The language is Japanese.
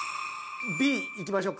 Ｂいきましょうか？